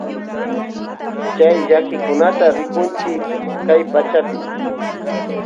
Chay llakikunata rikunchi kay pachapi.